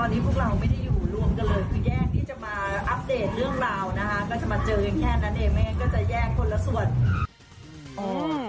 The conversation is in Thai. ก็จะมาเจอกันแค่นั้นเองไม่งั้นก็จะแย่งคนละส่วน